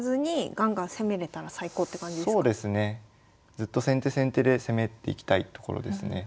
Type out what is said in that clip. ずっと先手先手で攻めていきたいところですね。